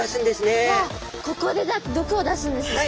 わっここで毒を出すんですね。